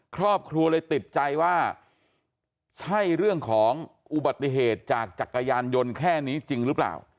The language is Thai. ครอบครัวเลยติดใจว่าใช่เรื่องของอุบัติเหตุจากจักรยานยนต์แค่นี้จริงหรือเปล่า